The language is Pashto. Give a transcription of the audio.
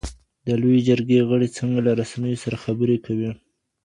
د لویې جرګي غړي څنګه له رسنیو سره خبري کوي؟